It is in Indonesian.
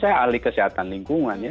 saya ahli kesehatan lingkungannya